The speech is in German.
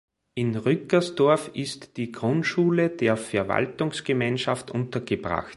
In Rückersdorf ist die Grundschule der Verwaltungsgemeinschaft untergebracht.